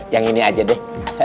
yang ini aja deh